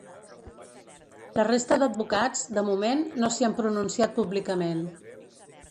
La resta d’advocats, de moment, no s’hi han pronunciat públicament.